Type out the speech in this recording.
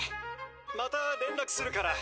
「また連絡するから」